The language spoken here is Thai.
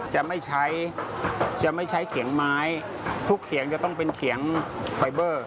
จะไม่ใช้จะไม่ใช้เขียงไม้ทุกเขียงจะต้องเป็นเขียงไฟเบอร์